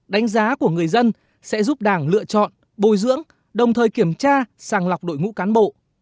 đánh giá của người dân sẽ giúp đảng lựa chọn bồi dưỡng đồng thời kiểm tra sàng lọc đội ngũ cán bộ